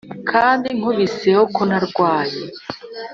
kandi nkubiseho ko narwaye